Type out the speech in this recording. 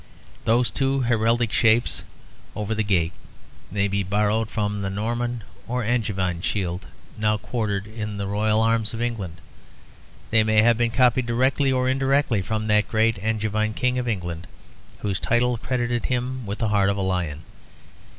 Those two heraldic shapes over the gate may be borrowed from the Norman or Angevin shield now quartered in the Royal Arms of England. They may have been copied, directly or indirectly, from that great Angevin King of England whose title credited him with the heart of a lion.